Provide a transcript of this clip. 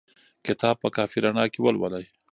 کتاب په کافي رڼا کې ولولئ.